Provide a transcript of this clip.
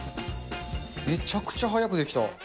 めちゃくちゃ早く出来た。